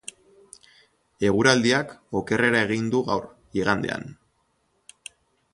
Eguraldiak okerrera egin du gaur, igandean.